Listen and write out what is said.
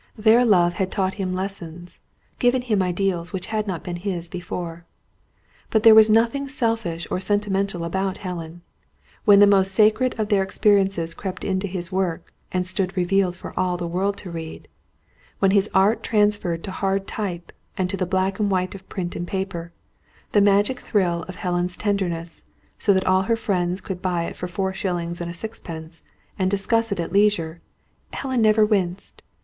Their love had taught him lessons, given him ideals which had not been his before. But there was nothing selfish or sentimental about Helen. When the most sacred of their experiences crept into his work, and stood revealed for all the world to read; when his art transferred to hard type, and to the black and white of print and paper, the magic thrill of Helen's tenderness, so that all her friends could buy it for four shillings and sixpence, and discuss it at leisure, Helen never winced.